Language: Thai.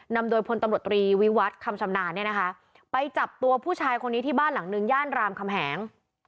นำโดยพลตำรวจตรีวิวัตรคำชำนาญเนี่ยนะคะไปจับตัวผู้ชายคนนี้ที่บ้านหลังนึงย่านรามคำแหง